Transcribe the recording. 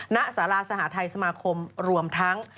นักศาลาสหทัยสมาคมรวมทั้ง